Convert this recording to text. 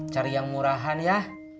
cari yang murahan ya